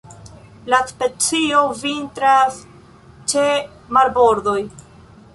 La specio vintras ĉe marbordoj.